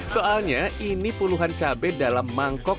soalnya ini puluhan cabai dalam mangkok